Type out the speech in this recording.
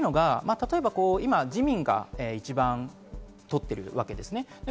今、自民が一番取ってるわけですね。